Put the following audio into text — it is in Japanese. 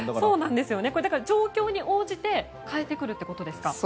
状況に応じて変えてくるということですか？